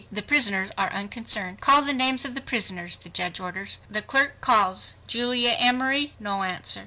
The prisoners are unconcerned. "Call the names of the prisoners," the judge orders. The clerk calls, "Julia Emory." No answer!